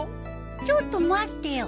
ちょっと待ってよ。